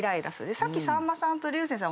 さっきさんまさんと竜星さん